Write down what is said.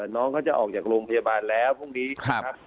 น้องเขาจะออกจากโรงพยาบาลแล้วพรุ่งนี้นะครับ